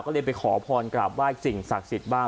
ก็เลยไปขอพรกราบไหว้สิ่งศักดิ์สิทธิ์บ้าง